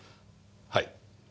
はい。